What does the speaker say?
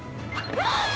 うわ！